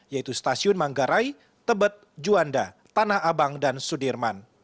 yaitu stasiun manggarai tebet juanda tanah abang dan sudirman